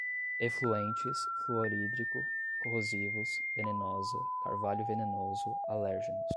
efluentes, fluorídrico, corrosivos, venenosa, carvalho venenoso, alérgenos